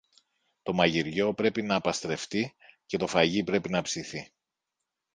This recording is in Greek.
Το μαγειριό πρέπει να παστρευθεί και το φαγί πρέπει να ψηθεί.